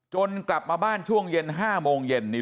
จนกลับมาบ้านช่วงเย็นห้าโมงเย็นเนี่ย